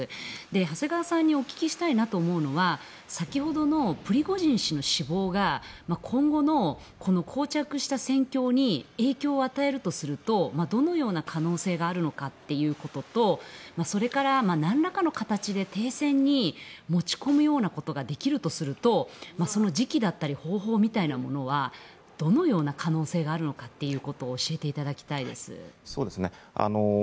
長谷川さんにお聞きしたいのが先ほどのプリゴジン氏の死亡が今後の膠着した戦況に影響を与えるとするとどのような可能性があるのかということとそれから、何らかの形で停戦に持ち込むようなことができるとするとその時期や方法みたいなものはどのような可能性があるのかを教えていただきたいです。